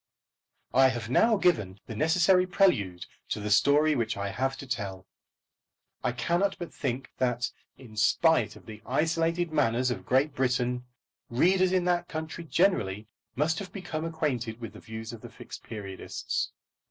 I have now given the necessary prelude to the story which I have to tell. I cannot but think that, in spite of the isolated manners of Great Britain, readers in that country generally must have become acquainted with the views of the Fixed Periodists.